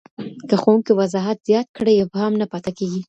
که ښوونکی وضاحت زیات کړي، ابهام نه پاته کېږي.